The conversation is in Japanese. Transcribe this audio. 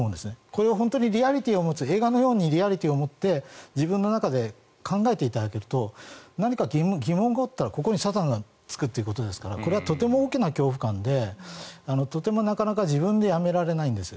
これを本当にリアリティーを持つ映画のようにリアリティーを持って自分の中で考えていただけると何か疑問があるとここにサタンがつくということですがこれはとても大きな恐怖感でとてもなかなか自分でやめられないんです。